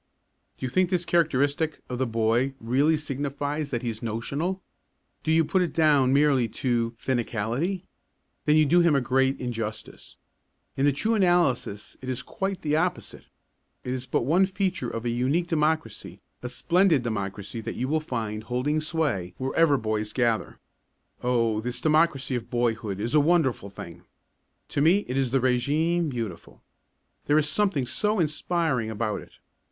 Do you think this characteristic of the boy really signifies that he is "notional"? Do you put it down merely as "finicality"? Then you do him a great injustice. In the true analysis it is quite the opposite. It is but one feature of a unique democracy, a splendid democracy that you will find holding sway wherever boys gather. Oh, this democracy of boyhood is a wonderful thing! To me it is the régime beautiful. There is something so inspiring about it!